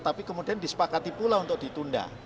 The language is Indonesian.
tapi kemudian disepakati pula untuk ditunda